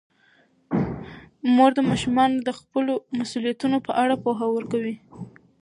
مور د ماشومانو د خپلو مسوولیتونو په اړه پوهه ورکوي.